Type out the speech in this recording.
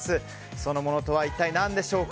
そのものとは一体何でしょうか。